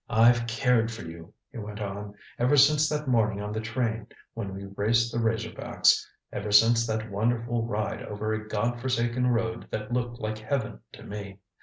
"I've cared for you," he went on, "ever since that morning on the train when we raced the razor backs ever since that wonderful ride over a God forsaken road that looked like Heaven to me.